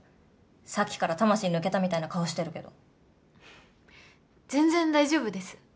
さっきから魂抜けたみたいな顔してるけど全然大丈夫です